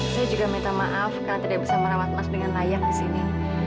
saya juga minta maaf karena tidak bisa merawat emas dengan layak di sini